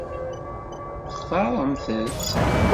Textaṛemt-tt?